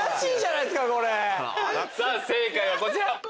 正解はこちら。